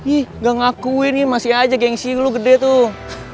ih gak ngakuin masih aja gengsi lu gede tuh